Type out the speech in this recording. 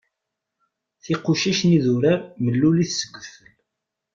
Tiqucac n yidurar mellulit seg udfel.